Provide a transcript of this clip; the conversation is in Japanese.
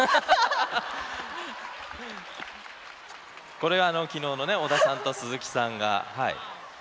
これあの昨日のね織田さんと鈴木さんがはい。